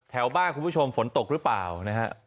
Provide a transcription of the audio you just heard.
แถวบ้านคุณผู้ชมฝนตกหรือเปล่านะฮะ